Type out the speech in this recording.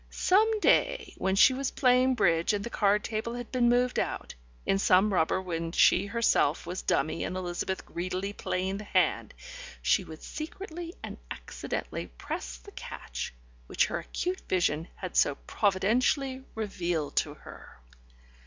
Some day, when she was playing bridge and the card table had been moved out, in some rubber when she herself was dummy and Elizabeth greedily playing the hand, she would secretly and accidentally press the catch which her acute vision had so providentially revealed to her.